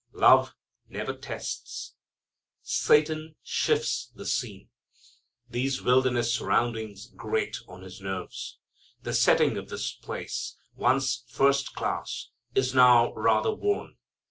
Love Never Tests. Satan shifts the scene. These wilderness surroundings grate on his nerves. The setting of this place, once first class, is now rather worn.